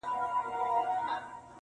چي یې ستا له زخمه درد و احساس راکړ,